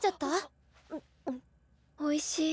おいしい。